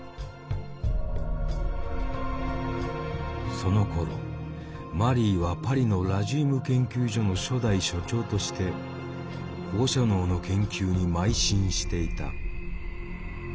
そのころマリーはパリのラジウム研究所の初代所長として放射能の研究にまい進していた。